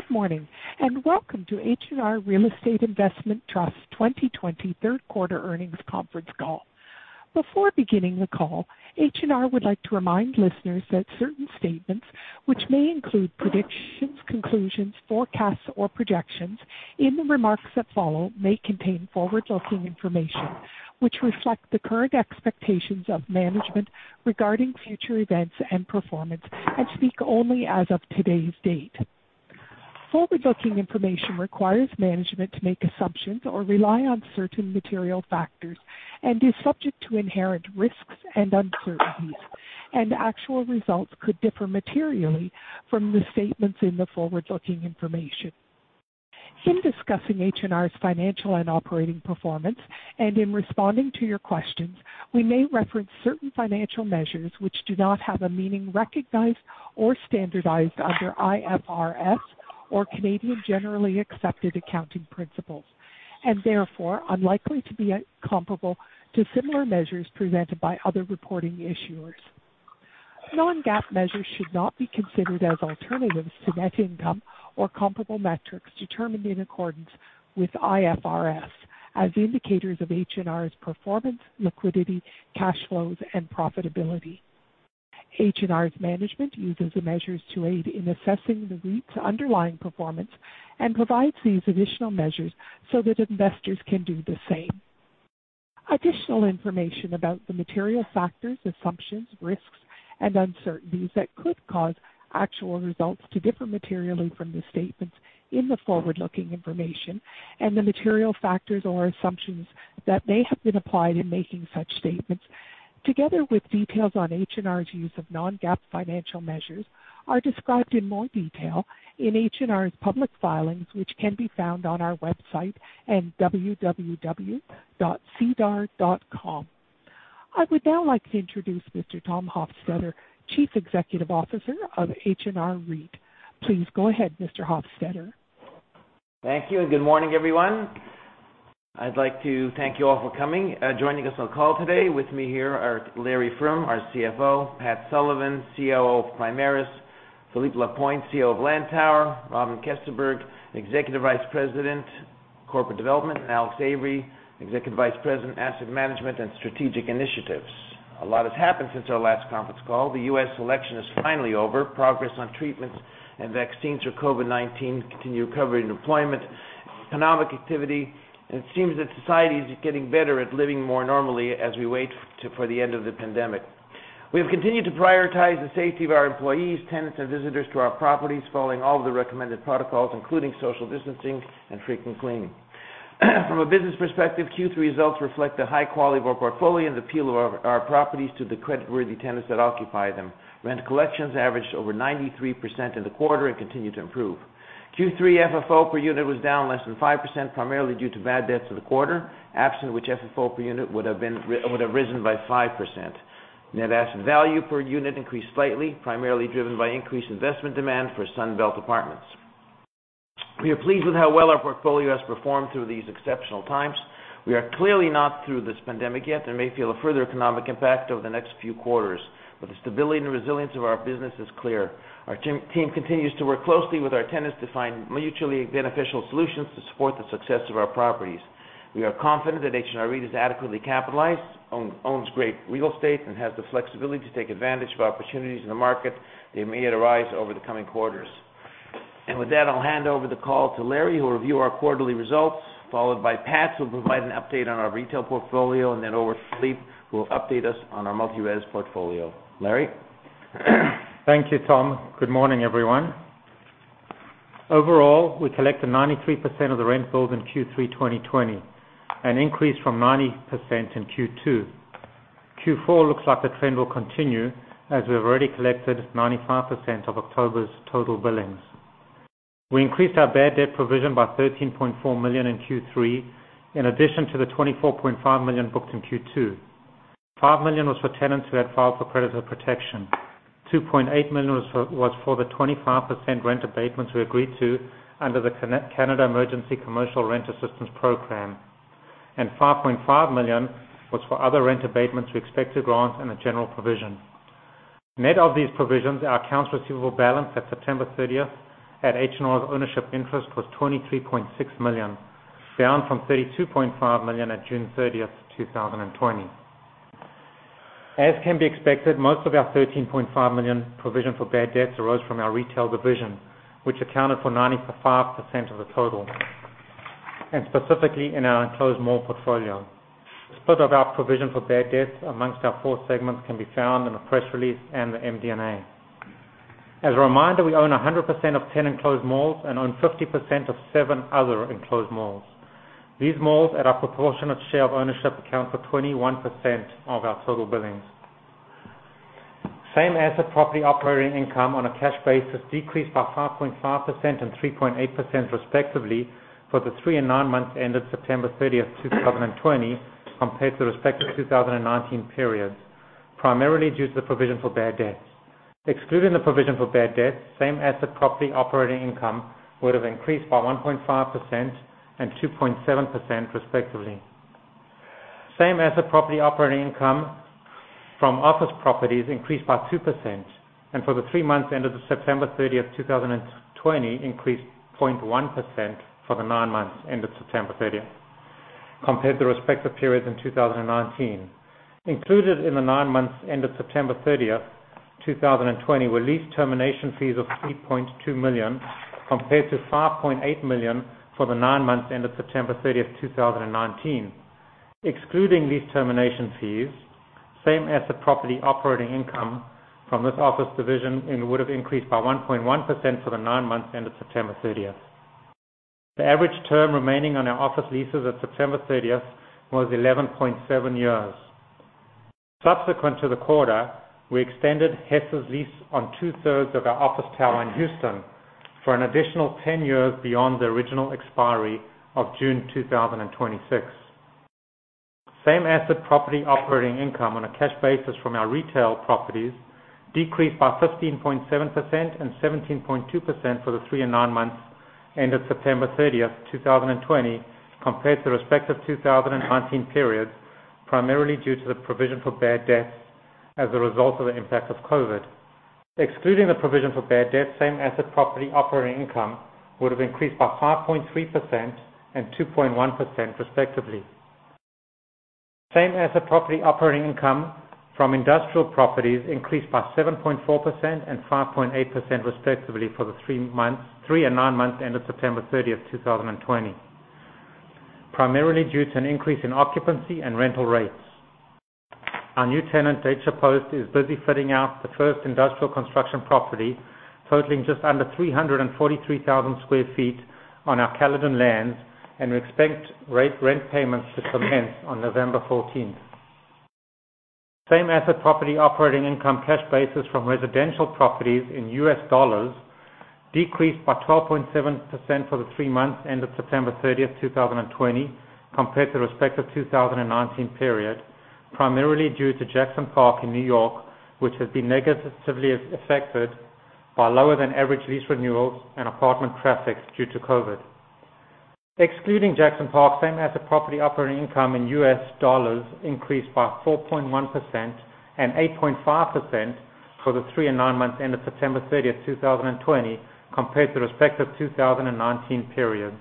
Good morning, welcome to H&R Real Estate Investment Trust 2020 third quarter earnings conference call. Before beginning the call, H&R would like to remind listeners that certain statements, which may include predictions, conclusions, forecasts, or projections in the remarks that follow may contain forward-looking information which reflect the current expectations of management regarding future events and performance, and speak only as of today's date. Forward-looking information requires management to make assumptions or rely on certain material factors and is subject to inherent risks and uncertainties, and actual results could differ materially from the statements in the forward-looking information. In discussing H&R's financial and operating performance, and in responding to your questions, we may reference certain financial measures which do not have a meaning recognized or standardized under IFRS or Canadian generally accepted accounting principles, and therefore unlikely to be comparable to similar measures presented by other reporting issuers. Non-GAAP measures should not be considered as alternatives to net income or comparable metrics determined in accordance with IFRS as indicators of H&R's performance, liquidity, cash flows, and profitability. H&R's management uses the measures to aid in assessing the REIT's underlying performance and provides these additional measures so that investors can do the same. Additional information about the material factors, assumptions, risks, and uncertainties that could cause actual results to differ materially from the statements in the forward-looking information and the material factors or assumptions that may have been applied in making such statements, together with details on H&R's use of Non-GAAP financial measures are described in more detail in H&R's public filings which can be found on our website at www.sedar. I would now like to introduce Mr. Tom Hofstedter, Chief Executive Officer of H&R REIT. Please go ahead, Mr. Hofstedter. Thank you, and good morning, everyone. I'd like to thank you all for coming. Joining us on the call today with me here are Larry Froom, our Chief Financial Officer, Patrick Sullivan, Chief Operating Officer of Primaris, Philippe Lapointe, Chief Operating Officer of Lantower, Robyn Kestenberg, Executive Vice President, Corporate Development, and Alex Avery, Executive Vice President, Asset Management and Strategic Initiatives. A lot has happened since our last conference call. The U.S. election is finally over. Progress on treatments and vaccines for COVID-19 continue recovering employment, economic activity, and it seems that society is getting better at living more normally as we wait for the end of the pandemic. We have continued to prioritize the safety of our employees, tenants, and visitors to our properties following all of the recommended protocols, including social distancing and frequent cleaning. From a business perspective, Q3 results reflect the high quality of our portfolio and the appeal of our properties to the creditworthy tenants that occupy them. Rent collections averaged over 93% in the quarter and continue to improve. Q3 FFO per unit was down less than 5%, primarily due to bad debts for the quarter. Absent which, FFO per unit would have risen by 5%. Net asset value per unit increased slightly, primarily driven by increased investment demand for Sunbelt apartments. We are pleased with how well our portfolio has performed through these exceptional times. We are clearly not through this pandemic yet and may feel a further economic impact over the next few quarters, but the stability and resilience of our business is clear. Our team continues to work closely with our tenants to find mutually beneficial solutions to support the success of our properties. We are confident that H&R REIT is adequately capitalized, owns great real estate, and has the flexibility to take advantage of opportunities in the market that may arise over the coming quarters. With that, I'll hand over the call to Larry, who will review our quarterly results, followed by Pat, who will provide an update on our retail portfolio, and then over to Philippe, who will update us on our multi-res portfolio. Larry? Thank you, Tom. Good morning, everyone. Overall, we collected 93% of the rent billed in Q3 2020, an increase from 90% in Q2. Q4 looks like the trend will continue, as we've already collected 95% of October's total billings. We increased our bad debt provision by 13.4 million in Q3, in addition to the 24.5 million booked in Q2. 5 million was for tenants who had filed for creditor protection. 2.8 million was for the 25% rent abatements we agreed to under the Canada Emergency Commercial Rent Assistance program, and 5.5 million was for other rent abatements we expect to grant in a general provision. Net of these provisions, our accounts receivable balance at September 30th at H&R's ownership interest was 23.6 million, down from 32.5 million at June 30th, 2020. As can be expected, most of our 13.5 million provision for bad debts arose from our retail division, which accounted for 95% of the total, and specifically in our enclosed mall portfolio. Split of our provision for bad debts amongst our four segments can be found in the press release and the MD&A. As a reminder, we own 100% of 10 enclosed malls and own 50% of seven other enclosed malls. These malls at our proportionate share of ownership account for 21% of our total billings. Same asset property operating income on a cash basis decreased by 5.5% and 3.8% respectively for the three and nine months ended September 30th, 2020 compared to respective 2019 periods, primarily due to the provision for bad debts. Excluding the provision for bad debts, Same asset property operating income would have increased by 1.5% and 2.7% respectively. Same asset property operating income from office properties increased by 2%, and for the three months ended September 30th, 2020, increased by 0.1% for the nine months ended September 30th, compared to respective periods in 2019. Included in the nine months ended September 30th, 2020, were lease termination fees of 3.2 million, compared to 5.8 million for the nine months ended September 30th, 2019. Excluding these termination fees, Same asset property operating income from this office division would have increased by 1.1% for the nine months ended September 30th. The average term remaining on our office leases at September 30th was 11.7 years. Subsequent to the quarter, we extended Hess's lease on 2/3 of our office tower in Houston for an additional 10 years beyond the original expiry of June 2026. Same asset property operating income on a cash basis from our retail properties decreased by 15.7% and 17.2% for the three and nine months ended September 30th, 2020, compared to respective 2019 periods, primarily due to the provision for bad debts as a result of the impact of COVID. Excluding the provision for bad debt, same asset property operating income would have increased by 5.3% and 2.1% respectively. Same asset property operating income from industrial properties increased by 7.4% and 5.8% respectively for the three and nine months ended September 30th, 2020, primarily due to an increase in occupancy and rental rates. Our new tenant, DataPost, is busy fitting out the first industrial construction property, totaling just under 343,000 sq ft on our Caledon land, and we expect rent payments to commence on November 14th. Same asset property operating income cash basis from residential properties in U.S. dollars decreased by 12.7% for the three months ended September 30th, 2020, compared to respective 2019 period, primarily due to Jackson Park in New York, which has been negatively affected by lower than average lease renewals and apartment traffics due to COVID-19. Excluding Jackson Park, same asset property operating income in U.S. dollars increased by 4.1% and 8.5% for the three and nine months ended September 30th, 2020, compared to respective 2019 periods.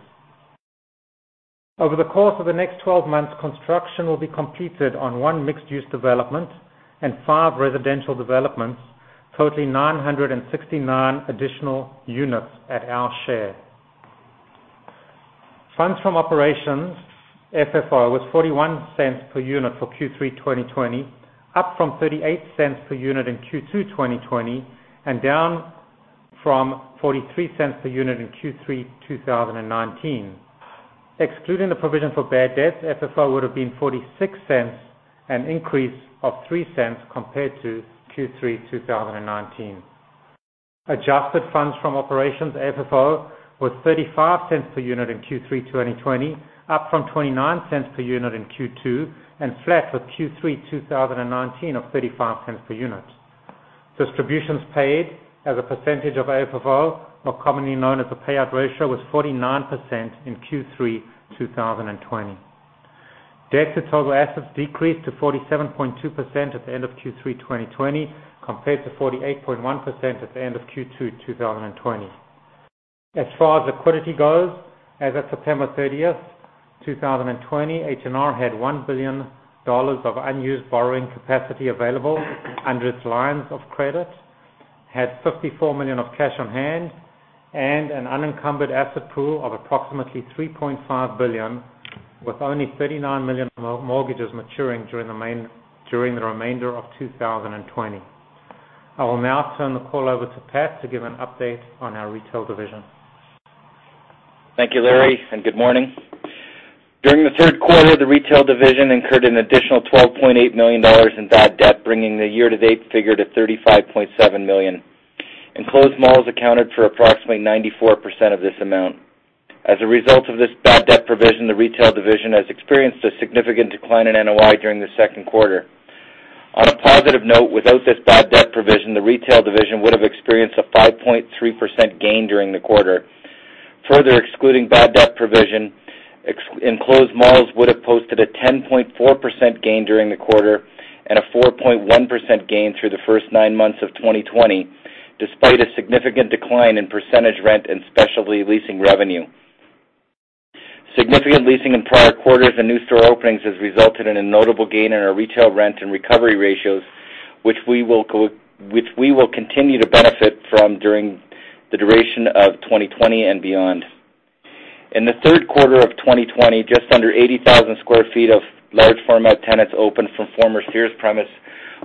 Over the course of the next 12 months, construction will be completed on one mixed-use development and five residential developments, totaling 969 additional units at our share. Funds from operations, FFO, was 0.41 per unit for Q3 2020, up from 0.38 per unit in Q2 2020, and down from 0.43 per unit in Q3 2019. Excluding the provision for bad debts, FFO would have been 0.46, an increase of 0.03 compared to Q3 2019. Adjusted funds from operations, AFFO, was 0.35 per unit in Q3 2020, up from 0.29 per unit in Q2, and flat with Q3 2019 of 0.35 per unit. Distributions paid as a percentage of AFFO, more commonly known as the payout ratio, was 49% in Q3 2020. Debt to total assets decreased to 47.2% at the end of Q3 2020, compared to 48.1% at the end of Q2 2020. As far as liquidity goes, as of September 30th, 2020, H&R had 1 billion dollars of unused borrowing capacity available under its lines of credit, had 54 million of cash on hand, and an unencumbered asset pool of approximately 3.5 billion, with only 39 million mortgages maturing during the remainder of 2020. I will now turn the call over to Pat to give an update on our retail division. Thank you, Larry, and good morning. During the third quarter, the retail division incurred an additional 12.8 million dollars in bad debt, bringing the year-to-date figure to 35.7 million. Enclosed malls accounted for approximately 94% of this amount. As a result of this bad debt provision, the retail division has experienced a significant decline in NOI during the second quarter. On a positive note, without this bad debt provision, the retail division would have experienced a 5.3% gain during the quarter. Further excluding bad debt provision, enclosed malls would have posted a 10.4% gain during the quarter and a 4.1% gain through the first nine months of 2020, despite a significant decline in percentage rent and specialty leasing revenue. Significant leasing in prior quarters and new store openings has resulted in a notable gain in our retail rent and recovery ratios, which we will continue to benefit from during the duration of 2020 and beyond. In the third quarter of 2020, just under 80,000 sq ft of large format tenants opened from former Sears premise,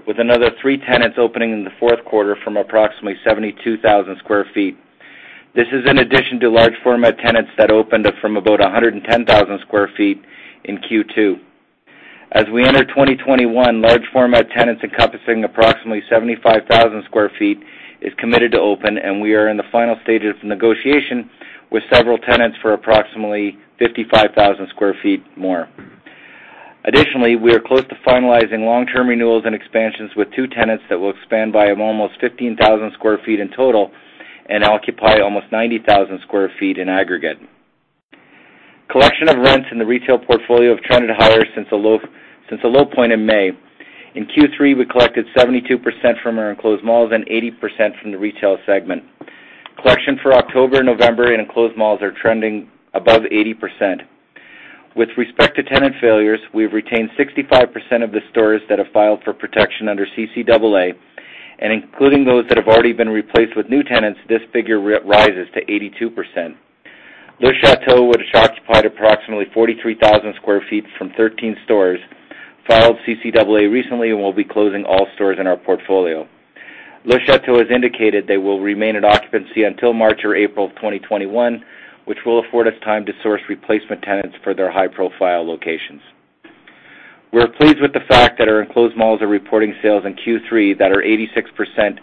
with another three tenants opening in the fourth quarter from approximately 72,000 sq ft. This is in addition to large format tenants that opened up from about 110,000 sq ft in Q2. As we enter 2021, large format tenants encompassing approximately 75,000 sq ft is committed to open, and we are in the final stages of negotiation with several tenants for approximately 55,000 sq ft more. Additionally, we are close to finalizing long-term renewals and expansions with two tenants that will expand by almost 15,000 sq ft in total. Occupy almost 90,000 sq ft in aggregate. Collection of rents in the retail portfolio have trended higher since the low point in May. In Q3, we collected 72% from our enclosed malls and 80% from the retail segment. Collection for October, November in enclosed malls are trending above 80%. With respect to tenant failures, we've retained 65% of the stores that have filed for protection under CCAA, and including those that have already been replaced with new tenants, this figure rises to 82%. Le Château, which occupied approximately 43,000 square feet from 13 stores, filed CCAA recently and will be closing all stores in our portfolio. Le Château has indicated they will remain at occupancy until March or April of 2021, which will afford us time to source replacement tenants for their high-profile locations. We're pleased with the fact that our enclosed malls are reporting sales in Q3 that are 86%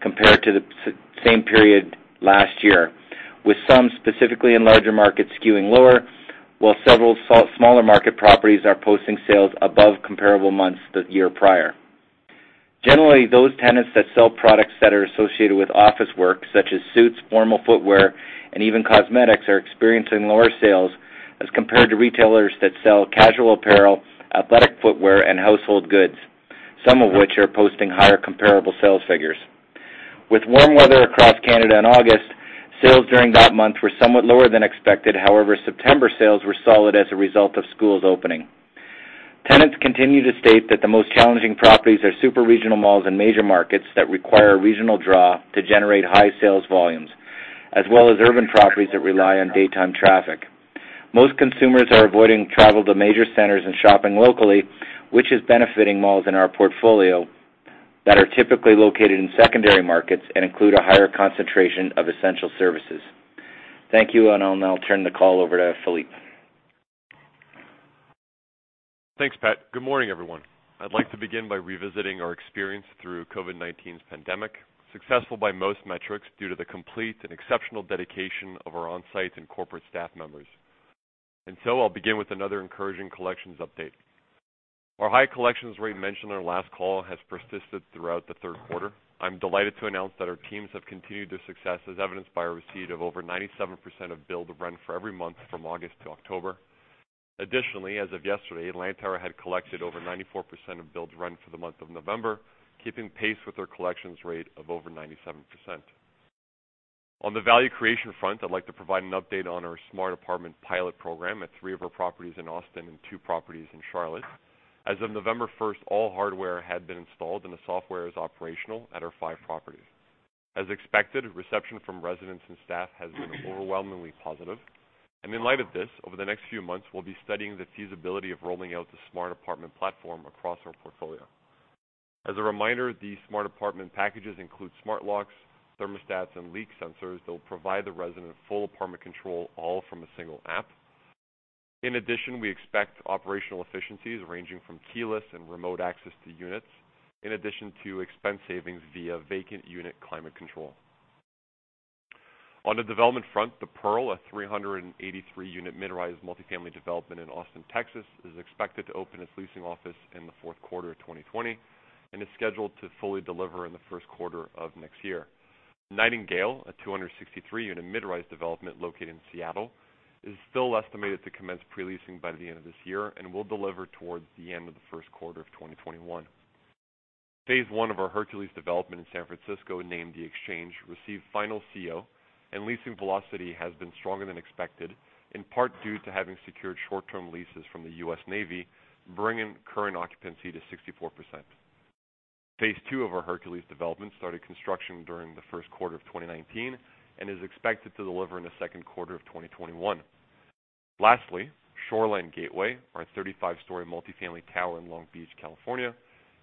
compared to the same period last year. With some specifically in larger markets skewing lower, while several smaller market properties are posting sales above comparable months the year prior. Generally, those tenants that sell products that are associated with office work such as suits, formal footwear, and even cosmetics, are experiencing lower sales as compared to retailers that sell casual apparel, athletic footwear, and household goods, some of which are posting higher comparable sales figures. With warm weather across Canada in August, sales during that month were somewhat lower than expected. However, September sales were solid as a result of schools opening. Tenants continue to state that the most challenging properties are super-regional malls and major markets that require a regional draw to generate high sales volumes, as well as urban properties that rely on daytime traffic. Most consumers are avoiding travel to major centers and shopping locally, which is benefiting malls in our portfolio that are typically located in secondary markets and include a higher concentration of essential services. Thank you, and I'll now turn the call over to Philippe. Thanks, Pat. Good morning, everyone. I'd like to begin by revisiting our experience through COVID-19's pandemic, successful by most metrics due to the complete and exceptional dedication of our on-site and corporate staff members. I'll begin with another encouraging collections update. Our high collections rate mentioned on our last call has persisted throughout the third quarter. I'm delighted to announce that our teams have continued their success, as evidenced by a receipt of over 97% of billed rent for every month from August to October. Additionally, as of yesterday, Lantower had collected over 94% of billed rent for the month of November, keeping pace with our collections rate of over 97%. On the value creation front, I'd like to provide an update on our smart apartment pilot program at three of our properties in Austin and two properties in Charlotte. As of November 1st, all hardware had been installed, and the software is operational at our five properties. As expected, reception from residents and staff has been overwhelmingly positive. In light of this, over the next few months, we'll be studying the feasibility of rolling out the smart apartment platform across our portfolio. As a reminder, the smart apartment packages include smart locks, thermostats, and leak sensors that will provide the resident full apartment control, all from a single app. In addition, we expect operational efficiencies ranging from keyless and remote access to units, in addition to expense savings via vacant unit climate control. On the development front, The Pearl, a 383-unit mid-rise multifamily development in Austin, Texas, is expected to open its leasing office in the fourth quarter of 2020 and is scheduled to fully deliver in the first quarter of next year. Nightingale, a 263-unit mid-rise development located in Seattle, is still estimated to commence pre-leasing by the end of this year and will deliver towards the end of the first quarter of 2021. Phase I of our Hercules development in San Francisco, named The Exchange, received final CO and leasing velocity has been stronger than expected, in part due to having secured short-term leases from the US Navy, bringing current occupancy to 64%. Phase II of our Hercules development started construction during the first quarter of 2019 and is expected to deliver in the second quarter of 2021. Lastly, Shoreline Gateway, our 35-story multifamily tower in Long Beach, California,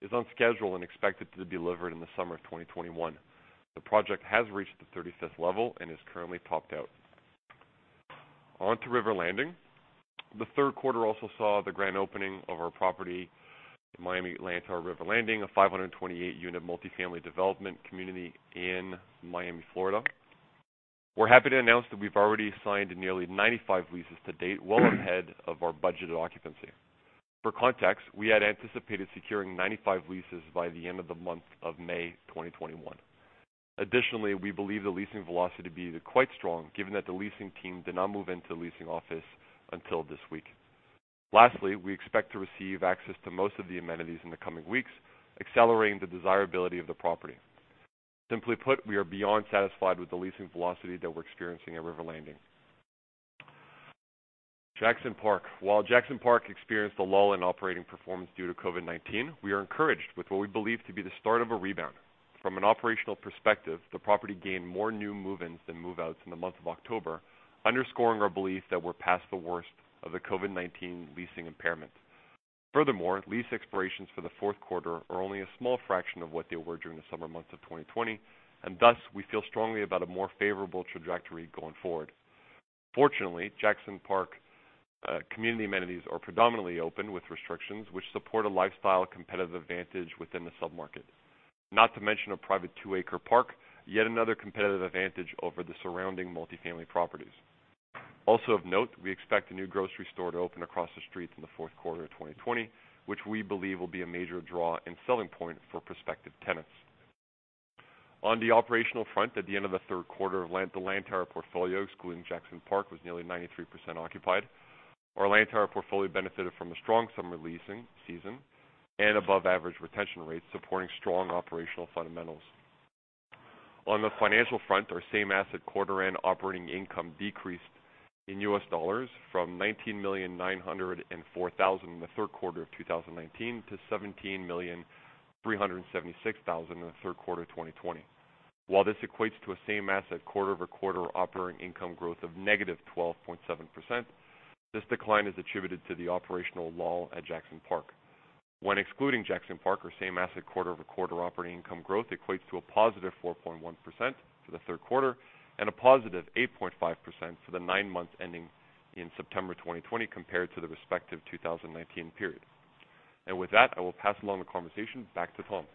is on schedule and expected to be delivered in the summer of 2021. The project has reached the 35th level and is currently topped out. On to River Landing. The third quarter also saw the grand opening of our property, Miami Lantower River Landing, a 528-unit multifamily development community in Miami, Florida. We're happy to announce that we've already signed nearly 95 leases to date, well ahead of our budgeted occupancy. For context, we had anticipated securing 95 leases by the end of the month of May 2021. Additionally, we believe the leasing velocity to be quite strong, given that the leasing team did not move into the leasing office until this week. Lastly, we expect to receive access to most of the amenities in the coming weeks, accelerating the desirability of the property. Simply put, we are beyond satisfied with the leasing velocity that we're experiencing at River Landing. Jackson Park. While Jackson Park experienced a lull in operating performance due to COVID-19, we are encouraged with what we believe to be the start of a rebound. From an operational perspective, the property gained more new move-ins than move-outs in the month of October, underscoring our belief that we're past the worst of the COVID-19 leasing impairment. Furthermore, lease expirations for the fourth quarter are only a small fraction of what they were during the summer months of 2020, and thus, we feel strongly about a more favorable trajectory going forward. Fortunately, Jackson Park community amenities are predominantly open with restrictions which support a lifestyle competitive advantage within the submarket. Not to mention a private two-acre park, yet another competitive advantage over the surrounding multifamily properties. Also of note, we expect the new grocery store to open across the street in the fourth quarter of 2020, which we believe will be a major draw and selling point for prospective tenants. On the operational front, at the end of the third quarter, the Lantower portfolio, excluding Jackson Park, was nearly 93% occupied. Our Lantower portfolio benefited from a strong summer leasing season and above-average retention rates, supporting strong operational fundamentals. On the financial front, our same asset quarterly and operating income decreased in US dollars from $19,904,000 in the third quarter of 2019 to $17,376,000 in the third quarter of 2020. While this equates to a same asset quarter-over-quarter operating income growth of negative 12.7%, this decline is attributed to the operational lull at Jackson Park. When excluding Jackson Park, our same asset quarter-over-quarter operating income growth equates to a positive 4.1% for the third quarter and a positive 8.5% for the nine months ending in September 2020 compared to the respective 2019 period. With that, I will pass along the conversation back to Tom.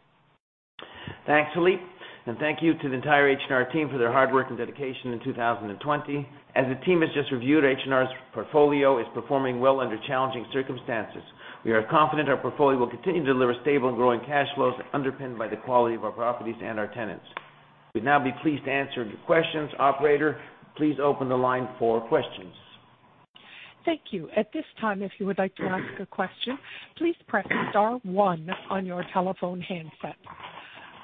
Thanks, Philippe, and thank you to the entire H&R team for their hard work and dedication in 2020. As the team has just reviewed, H&R's portfolio is performing well under challenging circumstances. We are confident our portfolio will continue to deliver stable and growing cash flows underpinned by the quality of our properties and our tenants. We'd now be pleased to answer your questions. Operator, please open the line for questions. Thank you. At this time, if you would like to ask a question, please press star one on your telephone handset.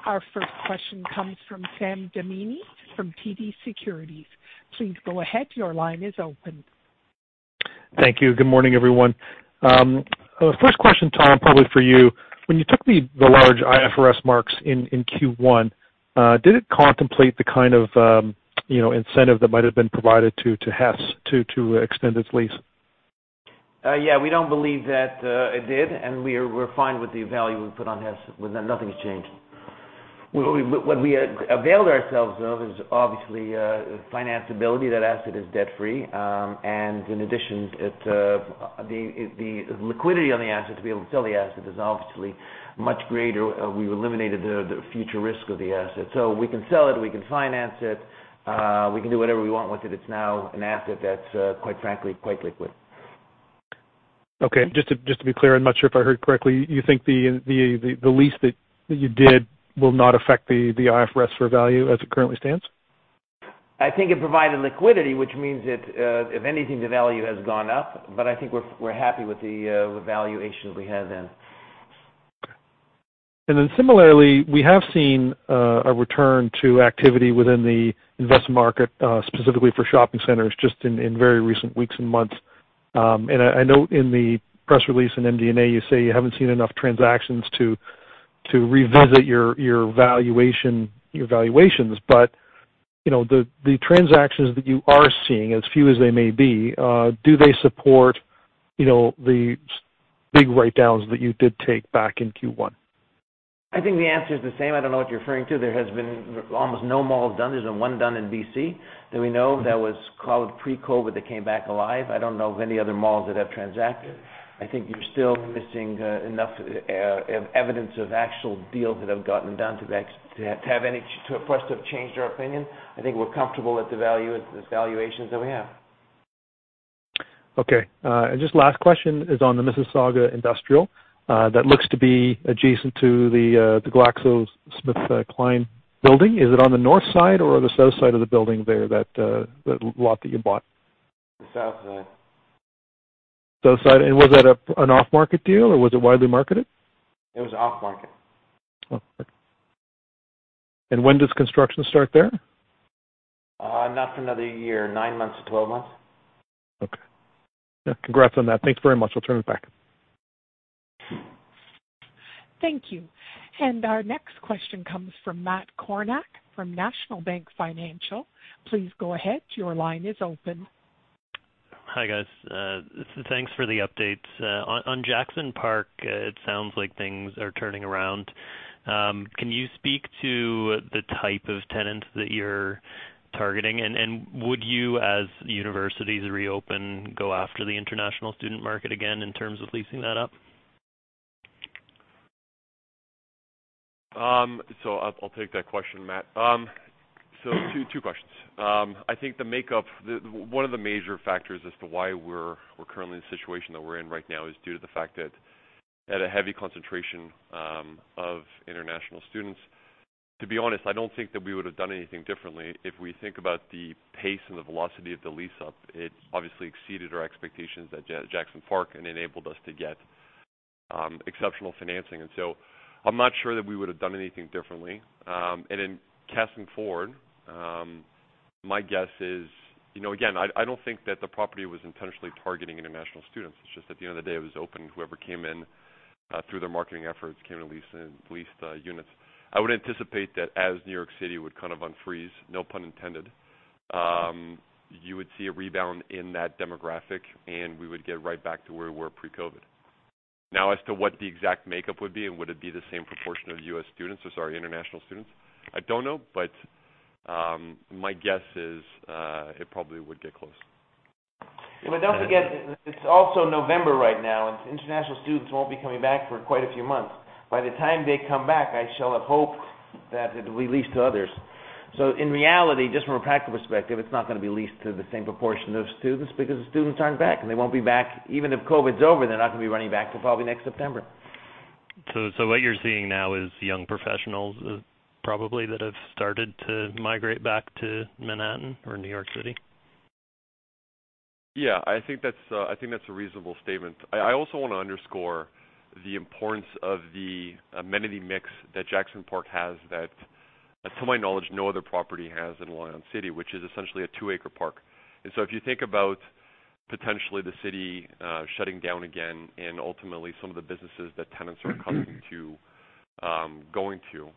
Our first question comes from Sam Damiani from TD Securities. Please go ahead. Your line is open. Thank you. Good morning, everyone. First question, Tom, probably for you. When you took the large IFRS marks in Q1, did it contemplate the kind of incentive that might have been provided to Hess to extend its lease? Yeah, we don't believe that it did, and we're fine with the value we put on Hess. Nothing has changed. What we availed ourselves of is obviously finance ability. That asset is debt-free. In addition, the liquidity on the asset to be able to sell the asset is obviously much greater. We've eliminated the future risk of the asset. We can sell it, we can finance it, we can do whatever we want with it. It's now an asset that's, quite frankly, quite liquid. Okay. Just to be clear, I'm not sure if I heard correctly, you think the lease that you did will not affect the IFRS for value as it currently stands? I think it provided liquidity, which means that if anything, the value has gone up, but I think we're happy with the valuation that we have then. Similarly, we have seen a return to activity within the investment market, specifically for shopping centers, just in very recent weeks and months. I know in the press release in MD&A, you say you haven't seen enough transactions to revisit your valuations, the transactions that you are seeing, as few as they may be, do they support the big write-downs that you did take back in Q1? I think the answer is the same. I don't know what you're referring to. There has been almost no malls done. There's been one done in B.C. that we know that was called pre-COVID that came back alive. I don't know of any other malls that have transacted. I think you're still missing enough evidence of actual deals that have gotten done for us to have changed our opinion. I think we're comfortable with the valuations that we have. Okay. Just last question is on the Mississauga Industrial that looks to be adjacent to the GlaxoSmithKline building. Is it on the north side or the south side of the building there, that lot that you bought? The south side. South side. Was that an off-market deal, or was it widely marketed? It was off-market. Off-market. When does construction start there? Not for another year, nine months to 12 months. Okay. Congrats on that. Thanks very much. I'll turn it back. Thank you. Our next question comes from Matt Kornack from National Bank Financial. Please go ahead. Hi, guys. Thanks for the updates. On Jackson Park, it sounds like things are turning around. Can you speak to the type of tenant that you're targeting? Would you, as the universities reopen, go after the international student market again in terms of leasing that up? I'll take that question, Matt. Two questions. I think one of the major factors as to why we're currently in the situation that we're in right now is due to the fact that a heavy concentration of international students. To be honest, I don't think that we would have done anything differently. If we think about the pace and the velocity of the lease up, it obviously exceeded our expectations at Jackson Park and enabled us to get exceptional financing. I'm not sure that we would have done anything differently. In casting forward, my guess is, again, I don't think that the property was intentionally targeting international students. It's just at the end of the day, it was open whoever came in through their marketing efforts came to lease the units. I would anticipate that as New York City would kind of unfreeze, no pun intended, you would see a rebound in that demographic, and we would get right back to where we were pre-COVID. Now, as to what the exact makeup would be and would it be the same proportion of international students? I don't know, but my guess is it probably would get close. Don't forget, it's also November right now, and international students won't be coming back for quite a few months. By the time they come back, I shall have hope. That it will be leased to others. In reality, just from a practical perspective, it's not going to be leased to the same proportion of students because the students aren't back, and they won't be back. Even if COVID's over, they're not going to be running back till probably next September. What you're seeing now is young professionals, probably, that have started to migrate back to Manhattan or New York City? Yeah, I think that's a reasonable statement. I also want to underscore the importance of the amenity mix that Jackson Park has that, to my knowledge, no other property has in Long Island City, which is essentially a two-acre park. If you think about potentially the city shutting down again and ultimately some of the businesses that tenants are accustomed to going to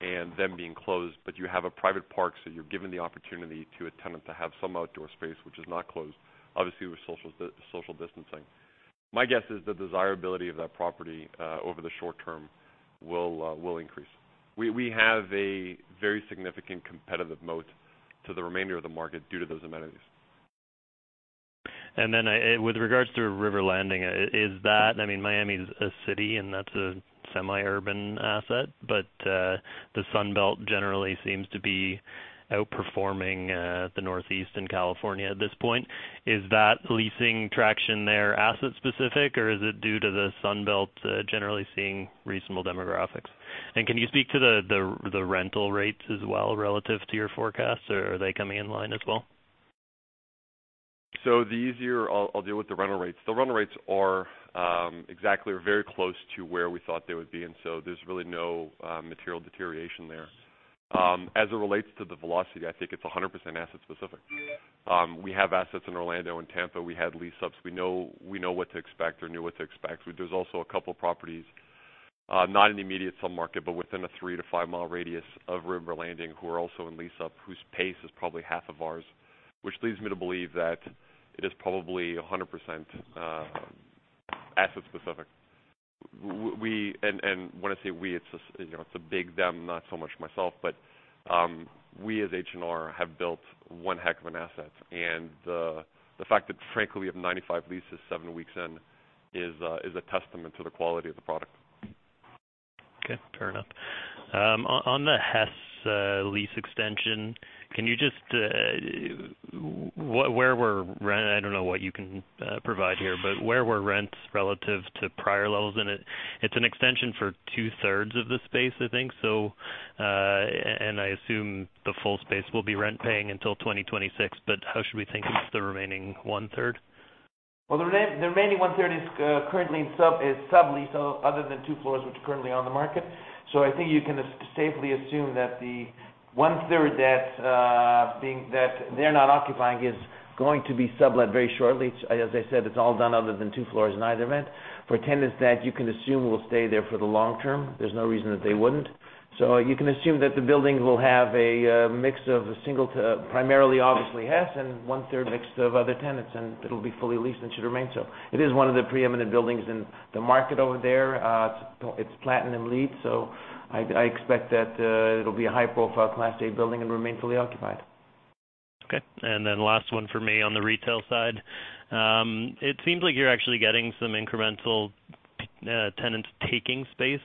and them being closed, but you have a private park, so you're given the opportunity to a tenant to have some outdoor space, which is not closed, obviously, with social distancing. My guess is the desirability of that property over the short term will increase. We have a very significant competitive moat to the remainder of the market due to those amenities. With regards to River Landing, I mean, Miami is a city, and that's a semi-urban asset, but the Sun Belt generally seems to be outperforming the Northeast and California at this point. Is that leasing traction there asset-specific, or is it due to the Sun Belt generally seeing reasonable demographics? Can you speak to the rental rates as well relative to your forecast, or are they coming in line as well? The easier I'll deal with the rental rates. The rental rates are exactly or very close to where we thought they would be, there's really no material deterioration there. As it relates to the velocity, I think it's 100% asset-specific. We have assets in Orlando and Tampa. We had lease ups. We know what to expect or knew what to expect. There's also a couple properties, not in the immediate sub-market, but within a three- to five-mile radius of River Landing, who are also in lease up, whose pace is probably half of ours, which leads me to believe that it is probably 100% asset-specific. When I say we, it's a big them, not so much myself, but we, as H&R, have built one heck of an asset. The fact that, frankly, we have 95 leases seven weeks in is a testament to the quality of the product. Okay. Fair enough. On the Hess lease extension, I don't know what you can provide here, but where were rents relative to prior levels in it? It's an extension for two-thirds of the space, I think, and I assume the full space will be rent paying until 2026. How should we think of the remaining one-third? The remaining one-third is currently subleased other than two floors which are currently on the market. I think you can safely assume that the one-third that they're not occupying is going to be sublet very shortly. As I said, it's all done other than two floors in either event. For tenants that you can assume will stay there for the long term, there's no reason that they wouldn't. You can assume that the building will have a mix of a single to primarily, obviously, Hess and one-third mix of other tenants, and it'll be fully leased and should remain so. It is one of the preeminent buildings in the market over there. It's Platinum LEED, so I expect that it'll be a high-profile Class A building and remain fully occupied. Okay. Last one for me on the retail side. It seems like you're actually getting some incremental tenants taking space.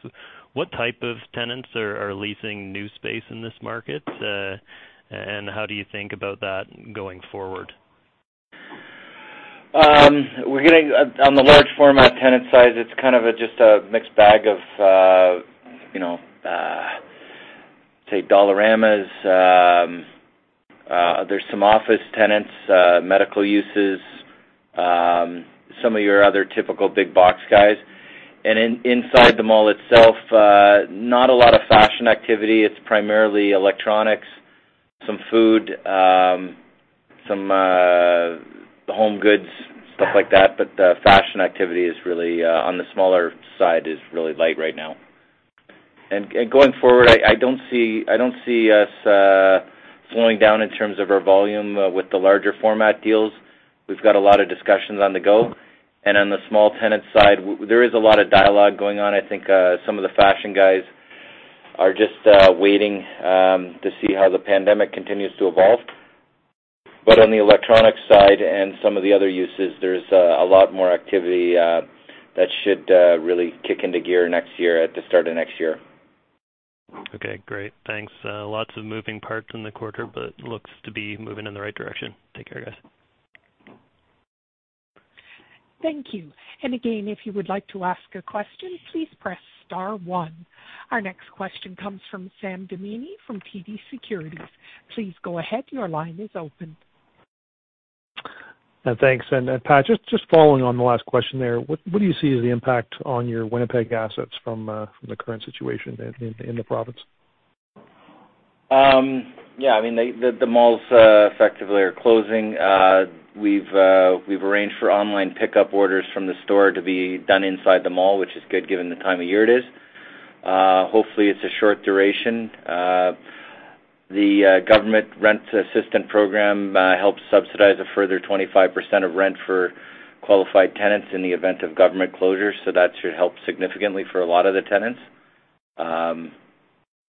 What type of tenants are leasing new space in this market? How do you think about that going forward? On the large format tenant size, it's kind of just a mixed bag of, say, Dollarama. There's some office tenants, medical uses, some of your other typical big box guys. Inside the mall itself, not a lot of fashion activity. It's primarily electronics, some food, some home goods, stuff like that. The fashion activity on the smaller side is really light right now. Going forward, I don't see us slowing down in terms of our volume with the larger format deals. We've got a lot of discussions on the go. On the small tenant side, there is a lot of dialogue going on. I think some of the fashion guys are just waiting to see how the pandemic continues to evolve. On the electronic side and some of the other uses, there's a lot more activity that should really kick into gear at the start of next year. Okay, great. Thanks. Lots of moving parts in the quarter, but looks to be moving in the right direction. Take care, guys. Thank you. Again, if you would like to ask a question, please press star one. Our next question comes from Sam Damiani from TD Securities. Please go ahead. Your line is open. Thanks. Pat, just following on the last question there, what do you see as the impact on your Winnipeg assets from the current situation in the province? Yeah, the malls effectively are closing. We've arranged for online pickup orders from the store to be done inside the mall, which is good given the time of year it is. Hopefully, it's a short duration. The government rent assistance program helps subsidize a further 25% of rent for qualified tenants in the event of government closure, so that should help significantly for a lot of the tenants.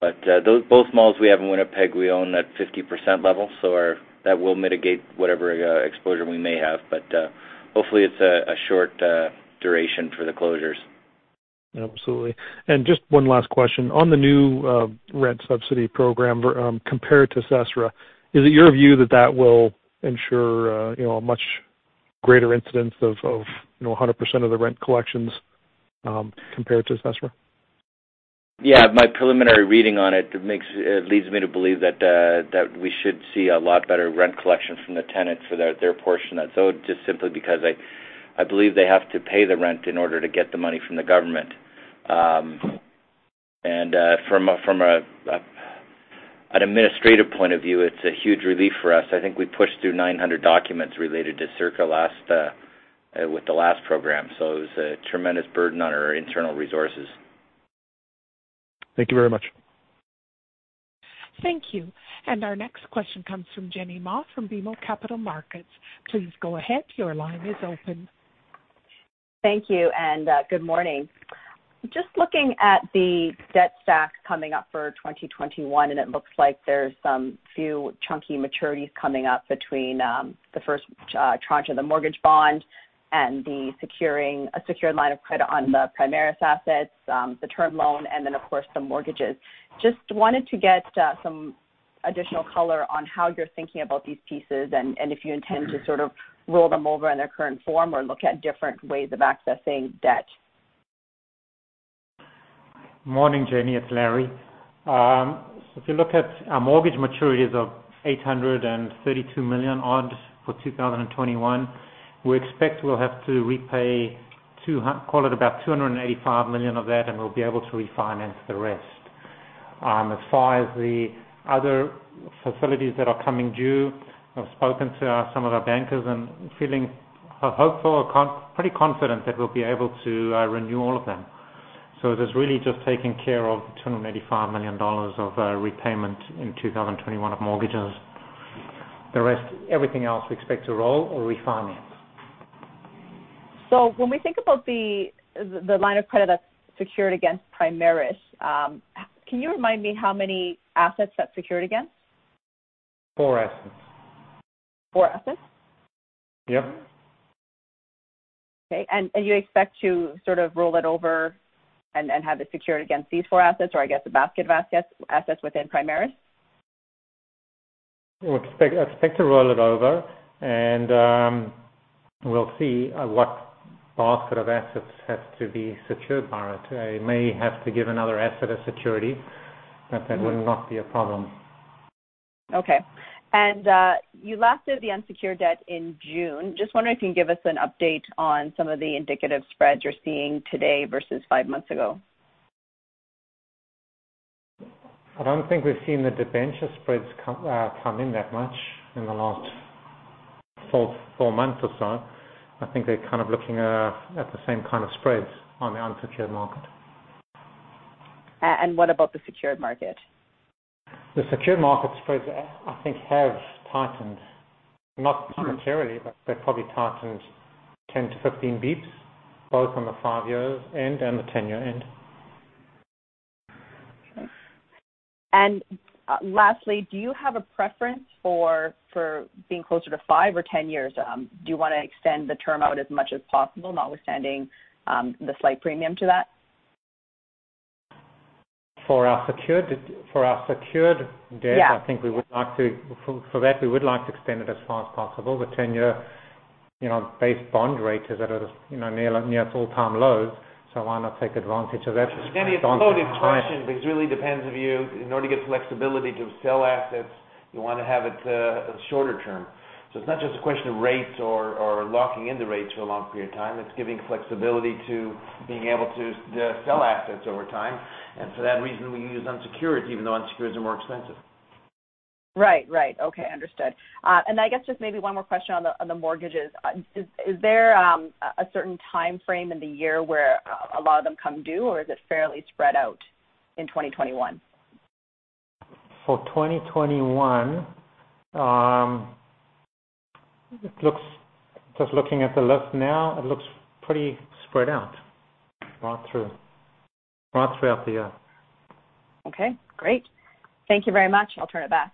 Both malls we have in Winnipeg, we own at 50% level, so that will mitigate whatever exposure we may have. Hopefully, it's a short duration for the closures. Absolutely. Just one last question. On the new rent subsidy program, compared to CECRA, is it your view that that will ensure a much greater incidence of 100% of the rent collections compared to CECRA? Yeah. My preliminary reading on it leads me to believe that we should see a lot better rent collection from the tenants for their portion. Just simply because I believe they have to pay the rent in order to get the money from the government. From an administrative point of view, it's a huge relief for us. I think we pushed through 900 documents related to CECRA with the last program. It was a tremendous burden on our internal resources. Thank you very much. Thank you. Our next question comes from Jenny Ma from BMO Capital Markets. Please go ahead. Thank you. Good morning. Just looking at the debt stack coming up for 2021, and it looks like there's some few chunky maturities coming up between the first tranche of the mortgage bond and the securing a secured line of credit on the Primaris assets, the term loan, and then of course, some mortgages. Just wanted to get some additional color on how you're thinking about these pieces and if you intend to sort of roll them over in their current form or look at different ways of accessing debt. Morning, Jenny. It's Larry. If you look at our mortgage maturities of 832 million odds for 2021, we expect we'll have to repay, call it about 285 million of that, and we'll be able to refinance the rest. As far as the other facilities that are coming due, I've spoken to some of our bankers and feeling hopeful or pretty confident that we'll be able to renew all of them. It is really just taking care of 285 million dollars of repayment in 2021 of mortgages. The rest, everything else we expect to roll or refinance. When we think about the line of credit that's secured against Primaris, can you remind me how many assets that's secured against? Four assets. Four assets? Yep. Okay. You expect to sort of roll it over and have it secured against these four assets or I guess the basket of assets within Primaris? We expect to roll it over and we'll see what basket of assets has to be secured by it. I may have to give another asset as security, but that would not be a problem. Okay. You lasted the unsecured debt in June. Just wondering if you can give us an update on some of the indicative spreads you're seeing today versus five months ago. I don't think we've seen the debenture spreads come in that much in the last four months or so. I think they're kind of looking at the same kind of spreads on the unsecured market. What about the secured market? The secured market spreads I think have tightened, not materially, but they've probably tightened 10-15 basis points, both on the five-year end and the 10-year end. Okay. Lastly, do you have a preference for being closer to five or 10 years? Do you want to extend the term out as much as possible, notwithstanding the slight premium to that? For our secured debt Yeah I think for that, we would like to extend it as far as possible. The 10-year base bond rate is at a near its all-time lows, so why not take advantage of that? Jenny, it's both. It's partially because it really depends. In order to get flexibility to sell assets, you want to have it a shorter term. It's not just a question of rates or locking in the rates for a long period of time, it's giving flexibility to being able to sell assets over time. For that reason, we use unsecured, even though unsecureds are more expensive. Right. Okay. Understood. I guess just maybe one more question on the mortgages. Is there a certain timeframe in the year where a lot of them come due, or is it fairly spread out in 2021? For 2021, just looking at the list now, it looks pretty spread out throughout the year. Okay, great. Thank you very much. I'll turn it back.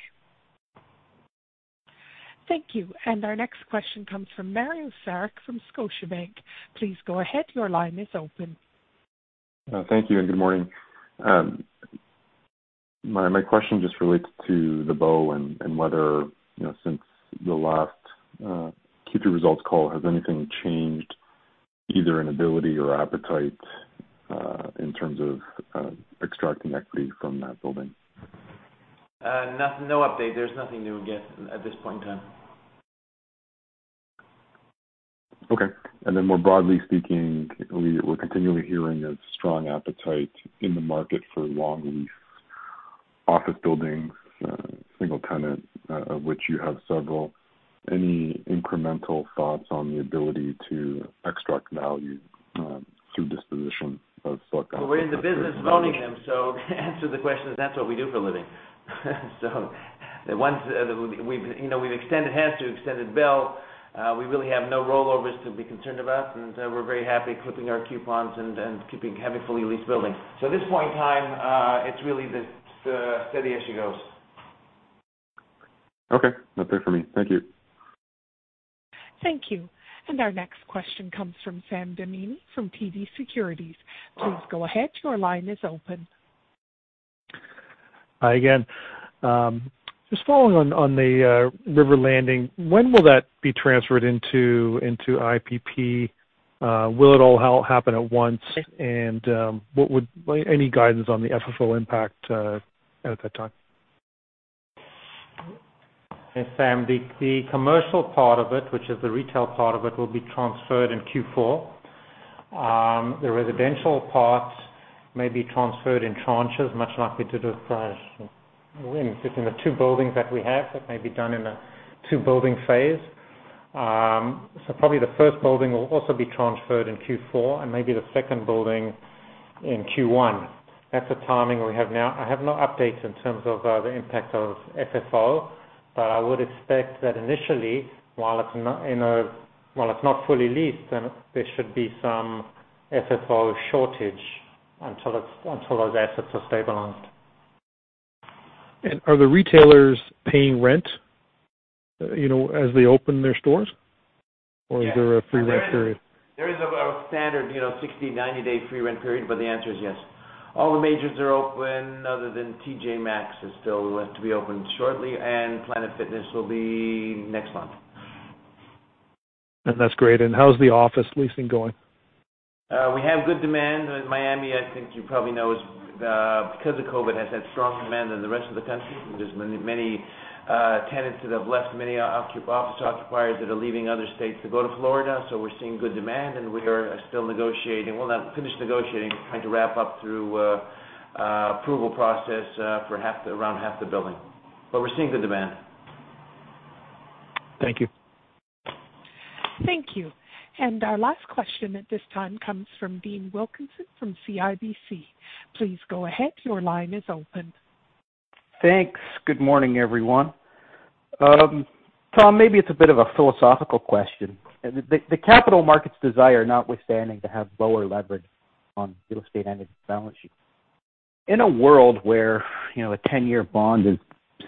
Thank you. Our next question comes from Mario Saric from Scotiabank. Please go ahead. Your line is open. Thank you and good morning. My question just relates to The Bow and whether, since the last Q2 results call, has anything changed either in ability or appetite in terms of extracting equity from that building? No update. There's nothing new, again, at this point in time. Okay. More broadly speaking, we're continually hearing a strong appetite in the market for long lease office buildings, single tenant, of which you have several. Any incremental thoughts on the ability to extract value through disposition of select assets? We're in the business of owning them, so to answer the question is that's what we do for a living. We've extended Hess, we've extended Bell. We really have no rollovers to be concerned about, and we're very happy clipping our coupons and keeping having fully leased buildings. At this point in time, it's really just steady as she goes. Okay, that's it for me. Thank you. Thank you. Our next question comes from Sam Damiani from TD Securities. Please go ahead. Your line is open. Hi again. Just following on the River Landing, when will that be transferred into IPP? Will it all happen at once? Any guidance on the FFO impact at that time? Hey, Sam, the commercial part of it, which is the retail part of it, will be transferred in Q4. The residential parts may be transferred in tranches, much likely to do with the two buildings that we have, that may be done in a two-building phase. Probably the first building will also be transferred in Q4 and maybe the second building in Q1. That's the timing we have now. I have no updates in terms of the impact of FFO, but I would expect that initially, while it's not fully leased, then there should be some FFO shortage until those assets are stabilized. Are the retailers paying rent as they open their stores? Is there a free rent period? There is a standard 60-day, 90-day free rent period, but the answer is yes. All the majors are open other than TJ Maxx is still left to be opened shortly, and Planet Fitness will be next month. That's great. How's the office leasing going? We have good demand. Miami, I think as you probably know, because of COVID, has had strong demand than the rest of the country. There's many tenants that have left, many office occupiers that are leaving other states to go to Florida. We're seeing good demand, and we are still negotiating. Well, not finished negotiating, trying to wrap up through approval process for around half the building. We're seeing good demand. Thank you. Thank you. Our last question at this time comes from Dean Wilkinson from CIBC. Please go ahead. Your line is open. Thanks. Good morning, everyone. Tom, maybe it's a bit of a philosophical question. The capital markets' desire notwithstanding to have lower leverage on real estate and its balance sheet. In a world where a 10-year bond is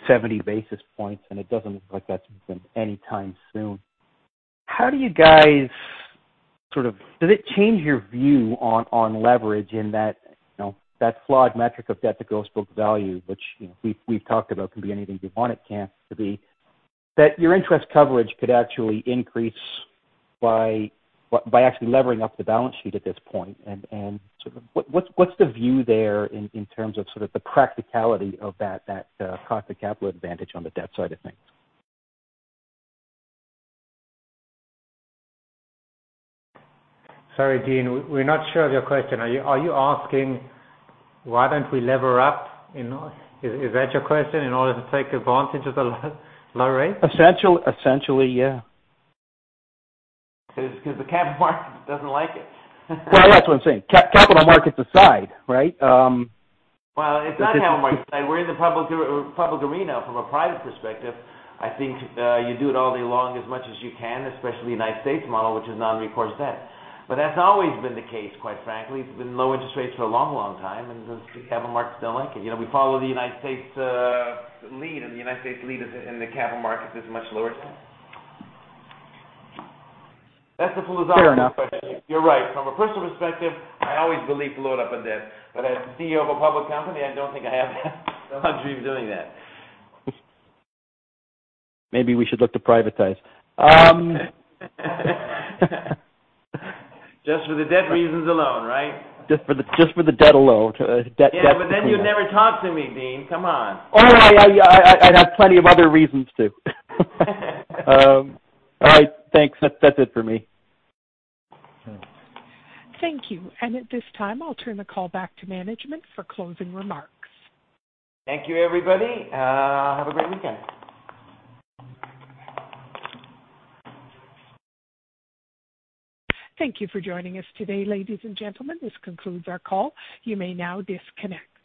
70 basis points, and it doesn't look like that's anytime soon, does it change your view on leverage in that flawed metric of debt to gross book value, which we've talked about can be anything you want it to be, that your interest coverage could actually increase by actually levering up the balance sheet at this point? Sort of what's the view there in terms of sort of the practicality of that cost of capital advantage on the debt side of things? Sorry, Dean, we're not sure of your question. Are you asking why don't we lever up? Is that your question in order to take advantage of the low rates? Essentially, yeah. Because the capital market doesn't like it. Well, that's what I'm saying. Capital markets aside, right? Well, it's not capital markets aside. We're in the public arena. From a private perspective, I think you do it all day long as much as you can, especially U.S. model, which is non-recourse debt. That's always been the case, quite frankly. It's been low interest rates for a long, long time, and the capital markets don't like it. We follow the U.S.' lead, and the U.S.' lead in the capital market is much lower. That's the philosophical question. Fair enough. You're right. From a personal perspective, I always believe load up on debt. As the Chief Executive Officer of a public company, I don't think I have the luxury of doing that. Maybe we should look to privatize. Just for the debt reasons alone, right? Just for the debt alone. You'd never talk to me, Dean. Come on. Oh, I have plenty of other reasons to. All right. Thanks. That's it for me. Thank you. At this time, I'll turn the call back to management for closing remarks. Thank you, everybody. Have a great weekend. Thank you for joining us today, ladies and gentlemen. This concludes our call. You may now disconnect.